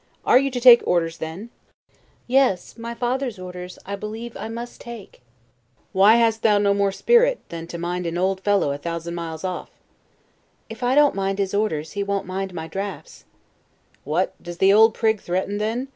Are you to take orders then? Stanhope. Yes, my father's orders, I believe I must take. Englishman. Why hast thou no more spirit, than to mind an old fellow a thousand miles off? Stanhope. If I don't mind his orders he won't mind my draughts. Englishman. What, does the old prig threaten then?